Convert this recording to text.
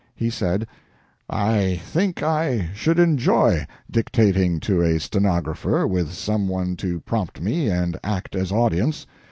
He said: "I think I should enjoy dictating to a stenographer with some one to prompt me and act as audience.